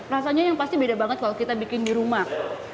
rasanya yang pasti beda banget kalau kita bikin di rumah